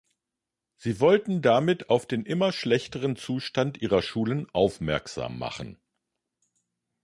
Sie wollten damit auf den immer schlechteren Zustand ihrer Schulen aufmerksam machen.